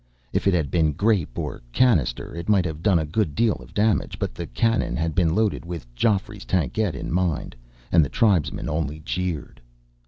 If it had been grape or canister, it might have done a good deal of damage. But the cannon had been loaded with Geoffrey's tankette in mind, and the tribesmen only jeered.